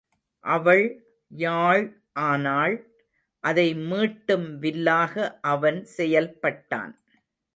அவள் யாழ் ஆனாள், அதை மீட்டும் வில்லாக அவன் செயல்பட்டான்.